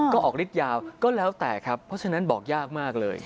ก็ออกฤทธิยาวก็แล้วแต่ครับเพราะฉะนั้นบอกยากมากเลย